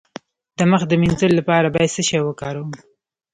د مخ د مینځلو لپاره باید څه شی وکاروم؟